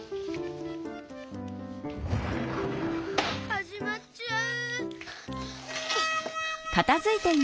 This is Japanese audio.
はじまっちゃう！